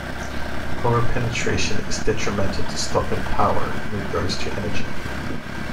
Over-penetration is detrimental to stopping power in regards to energy.